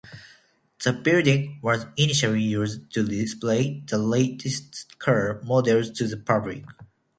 The building was initially used to display the latest car models to the public.